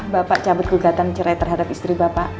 bapak cabut gugatan cerai terhadap istri bapak